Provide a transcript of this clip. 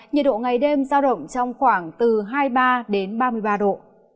nhiệt độ ngày đêm giao động trong khoảng từ hai mươi ba đến ba mươi ba độ